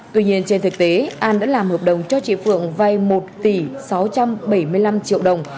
tuy nhiên trên thực tế an đã làm hợp đồng cho chị phượng vay một tỷ sáu trăm bảy mươi năm triệu đồng